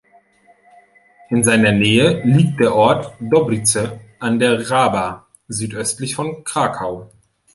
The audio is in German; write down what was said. In seiner Nähe liegt der Ort Dobczyce an der Raba, südöstlich von Krakau.